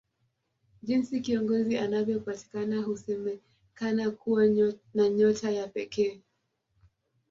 Jinsi kiongozi anavyopatikana husemakana kuwa na nyota ya pekee